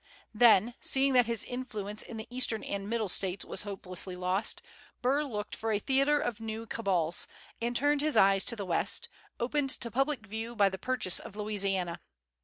Then, seeing that his influence in the Eastern and Middle States was hopelessly lost, Burr looked for a theatre of new cabals, and turned his eyes to the West, opened to public view by the purchase of Louisiana.